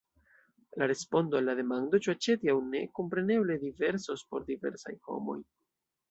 La respondo al la demando, ĉu aĉeti aŭ ne, kompreneble diversos por diversaj homoj.